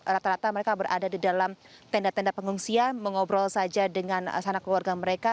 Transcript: rata rata mereka berada di dalam tenda tenda pengungsian mengobrol saja dengan sanak keluarga mereka